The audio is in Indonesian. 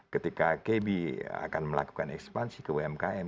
ketika kb akan melakukan ekspansi ke umkm